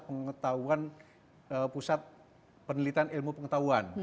ya sudah pernah menjadi pusat penelitian ilmu pengetahuan